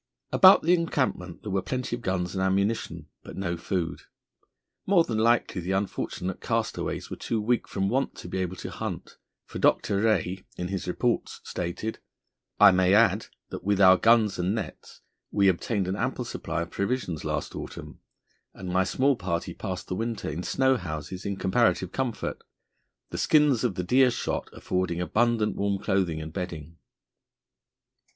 About the encampment there were plenty of guns and ammunition, but no food. More than likely the unfortunate castaways were too weak from want to be able to hunt, for Dr. Rae, in his reports, stated: "I may add that with our guns and nets we obtained an ample supply of provisions last autumn, and my small party passed the winter in snow houses in comparative comfort, the skins of the deer shot affording abundant warm clothing and bedding."